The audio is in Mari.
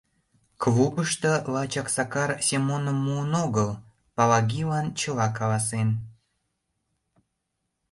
...Клубышто лачак Сакар Семоным муын огыл, Палагилан чыла каласен.